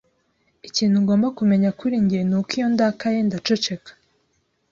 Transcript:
Ikintu ugomba kumenya kuri njye nuko iyo ndakaye, ndaceceka.